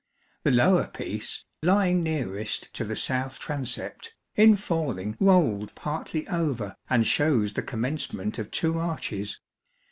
The lower piece, lying nearest to the south transept, in falling rolled partly over and shows the commencement of two arches.